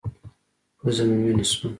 پزه مې وينې سوه.